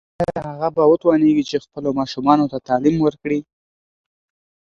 ایا هغه به وتوانیږي چې خپلو ماشومانو ته تعلیم ورکړي؟